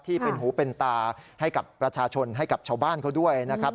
ที่เป็นหูเป็นตาให้กับประชาชนให้กับชาวบ้านเขาด้วยนะครับ